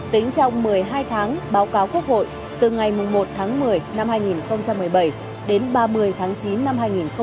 tính trong một mươi hai tháng báo cáo quốc hội từ ngày một tháng một mươi năm hai nghìn một mươi bảy đến ba mươi tháng chín năm hai nghìn một mươi chín